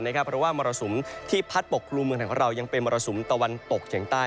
เพราะว่ามรสุมที่พัดปกครุมเมืองไทยของเรายังเป็นมรสุมตะวันตกเฉียงใต้